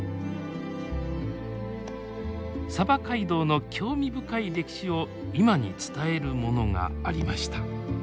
街道の興味深い歴史を今に伝えるものがありました。